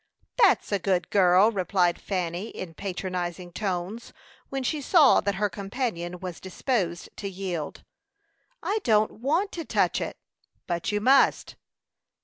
"That's a good girl!" replied Fanny, in patronizing tones, when she saw that her companion was disposed to yield. "I don't want to touch it." "But you must."